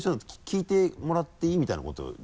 聴いてもらっていい？みたいなことで？